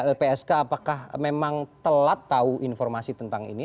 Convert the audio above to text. lpsk apakah memang telat tahu informasi tentang ini